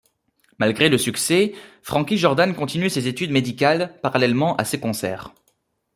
Malgré le succès, Frankie Jordan continue ses études médicales, parallèlement à ses concerts.